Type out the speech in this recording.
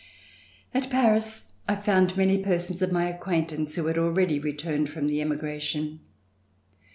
At Paris I found many persons of my acquaintance who had already returned from the emigration.